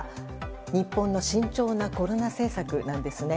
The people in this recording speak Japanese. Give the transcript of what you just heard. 日本の慎重なコロナ政策なんですね。